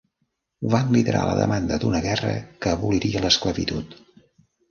Van liderar la demanda d'una guerra que aboliria l'esclavitud.